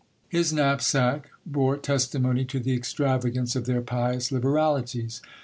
His knapsack bore testimony to the extravagance of their pious liberalities.